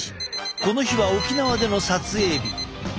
この日は沖縄での撮影日。